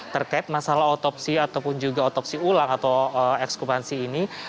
terkait masalah otopsi ataupun juga otopsi ulang atau ekskumansi ini